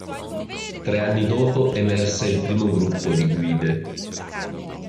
Tre anni dopo emerse il primo gruppo di guide.